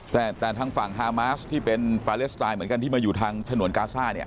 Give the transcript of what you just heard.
แต่ทางฝั่งฮามาสที่เป็นปาเลสไตล์เหมือนกันที่มาอยู่ทางฉนวนกาซ่าเนี่ย